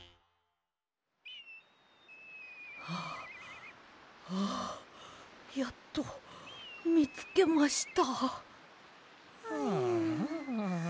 はあはあやっとみつけました。